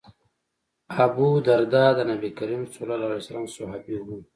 ابوالدرداء د نبي کریم ص صحابي و.